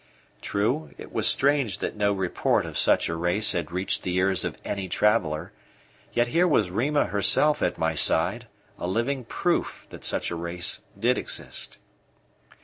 True, it was strange that no report of such a race had reached the ears of any traveller; yet here was Rima herself at my side, a living proof that such a race did exist.